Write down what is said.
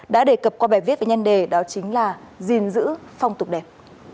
đã đề cập qua bài viết với nhân đề đó chính là gìn giữ phong tục đẹp